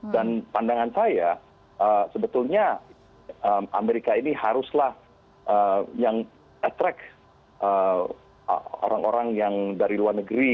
dan pandangan saya sebetulnya amerika ini haruslah yang attract orang orang yang dari luar negeri